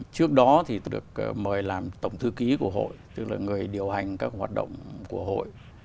trước đó thì được mời làm tổng thư ký của hội tức là người điều hành các hoạt động của hội